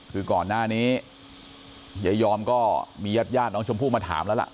คือก่อนหน้านี้ยายอมก็มีญาติญาติน้องชมพู่มาถามแล้วล่ะ